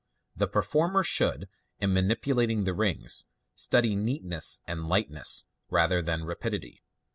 The performer should, in manipulating the rings, study neatness and lightness, rather than rapidity.